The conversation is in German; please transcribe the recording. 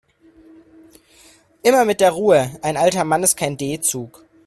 Immer mit der Ruhe, ein alter Mann ist kein D-Zug.